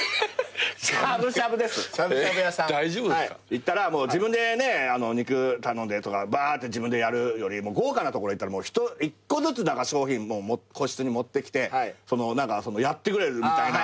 行ったら自分で肉頼んでとかバーッて自分でやるより豪華な所行ったら１個ずつ商品も個室に持ってきてやってくれるみたいな。